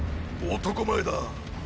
男前だ！